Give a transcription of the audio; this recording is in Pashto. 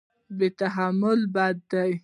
بې تحملي بد دی.